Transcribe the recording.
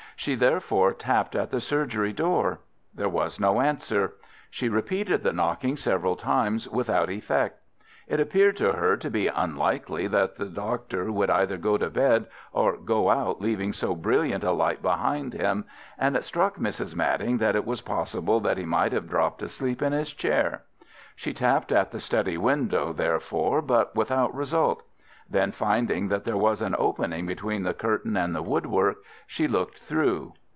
She therefore tapped at the surgery door. There was no answer. She repeated the knocking several times without effect. It appeared to her to be unlikely that the doctor would either go to bed or go out leaving so brilliant a light behind him, and it struck Mrs. Madding that it was possible that he might have dropped asleep in his chair. She tapped at the study window, therefore, but without result. Then, finding that there was an opening between the curtain and the woodwork, she looked through.